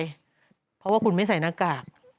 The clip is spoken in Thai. เพราะว่าคุณไม่ใส่หน้ากาก